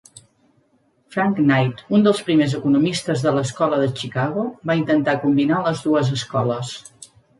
Frank Knight, un dels primers economistes de l'Escola de Chicago, va intentar combinar les dues escoles.